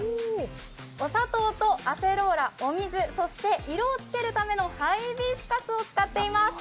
お砂糖とアセローラ、お水、そして色をつけるためのハイビスカスを使っています。